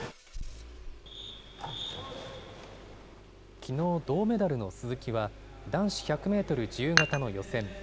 きのう銅メダルの鈴木は、男子１００メートル自由形の予選。